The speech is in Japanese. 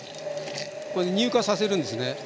これ乳化させるんですね。